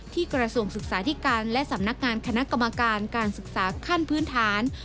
กระทรวงศึกษาธิการและสำนักงานคณะกรรมการการศึกษาขั้นพื้นฐาน